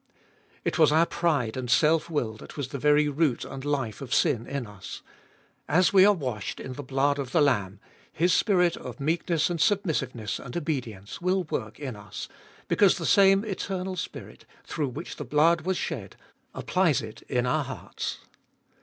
It was our pride and self will that was the very root and life of sin in us : as we are washed in the blood of the Lamb, His spirit of meekness and submissiveness and obedience will work in us, because the same Eternal Spirit, through which the blood was shed, applies it in our hearts.